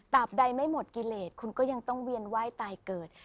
บใดไม่หมดกิเลสคุณก็ยังต้องเวียนไหว้ตายเกิด